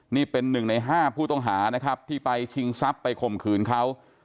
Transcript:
นี่เป็น๑ใน๕ผู้ต้องหานะครับที่ไปชิงทรัพย์ไปข่มขืนเขา